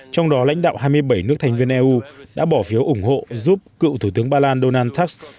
trong đó lãnh đạo hai mươi bảy nước thành viên eu đã bỏ phiếu ủng hộ giúp cựu thủ tướng ba lan donald trump